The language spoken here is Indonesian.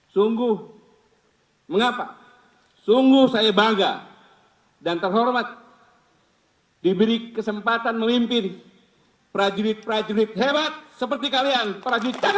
sungguh mengapa sungguh saya bangga dan terhormat diberi kesempatan memimpin prajurit prajurit hebat seperti kalian prajurit tni